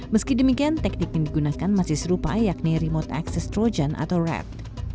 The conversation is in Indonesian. meski demikian teknik yang digunakan masih serupa yakni remote access trojan atau rat